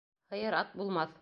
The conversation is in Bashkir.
Һыйыр ат булмаҫ.